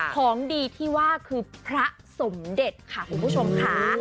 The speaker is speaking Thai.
ของดีที่ว่าคือพระสมเด็จค่ะคุณผู้ชมค่ะ